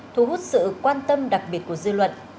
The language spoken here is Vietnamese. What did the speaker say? thu hút sự quan tâm đặc biệt của dư luận